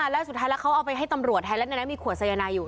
แล้วสุดท้ายแล้วเขาเอาไปให้ตำรวจแทนแล้วในนั้นมีขวดสายนายอยู่